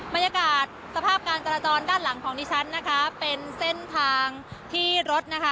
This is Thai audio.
บรรยากาศสภาพการจราจรด้านหลังของดิฉันนะคะเป็นเส้นทางที่รถนะคะ